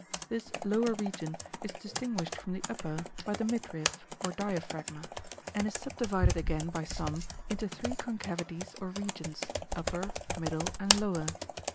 This lower region is distinguished from the upper by the midriff, or diaphragma, and is subdivided again by some into three concavities or regions, upper, middle, and lower.